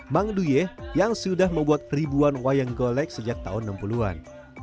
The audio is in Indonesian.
mang duye yang sudah membuat ribuan wayang golek sejak tahun enam puluh an